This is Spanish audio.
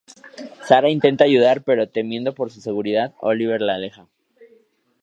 Sara intenta ayudar pero temiendo por su seguridad, Oliver la aleja.